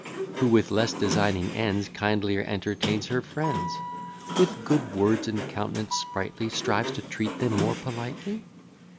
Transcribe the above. Who with less designing ends Kindlier entertains her friends; With good words and countenance sprightly, Strives to treat them more politely?